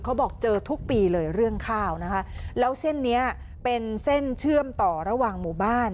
เขาบอกเจอทุกปีเลยเรื่องข้าวนะคะแล้วเส้นนี้เป็นเส้นเชื่อมต่อระหว่างหมู่บ้าน